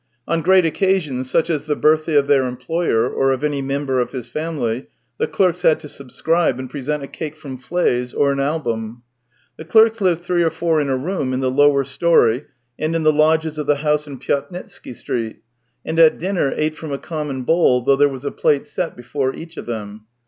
On great occasions, such as the birthday of their employer or of any member of his family, the clerks had to subscribe and present a cake from Fley's, or an album. The clerks lived three or four in a room in the lower storey, and in the lodges of the house in Pyatnitsky Street, and at dinner ate from a common bowl, though there THREE YEARS 223 was a plate set before each of them.